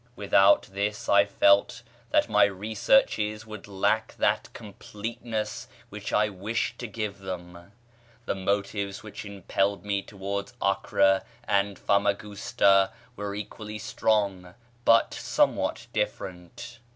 Without this I felt that my researches would lack that completeness which I wished to give them. The motives which impelled me towards Acre and Famagusta were equally strong, but somewhat different.